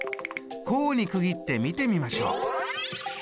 項に区切って見てみましょう！